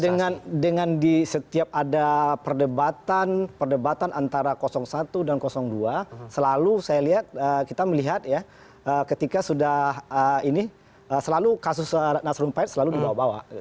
nah dengan di setiap ada perdebatan perdebatan antara satu dan dua selalu saya lihat kita melihat ya ketika sudah ini selalu kasus ratna sarumpait selalu dibawa bawa